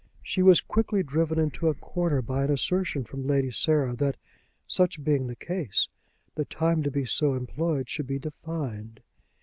She was quickly driven into a corner by an assertion from Lady Sarah that, such being the case, the time to be so employed should be defined.